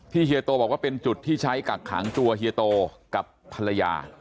เฮียโตบอกว่าเป็นจุดที่ใช้กักขังตัวเฮียโตกับภรรยา